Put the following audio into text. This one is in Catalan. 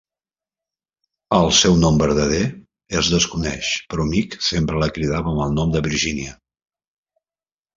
El seu nom verdader es desconeix, però Meek sempre la cridava amb el nom de "Virginia".